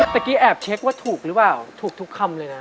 เมื่อกี้แอบเช็คว่าถูกหรือเปล่าถูกทุกคำเลยนะ